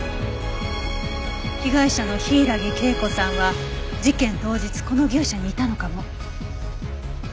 被害者の柊恵子さんは事件当日この牛舎にいたのかも。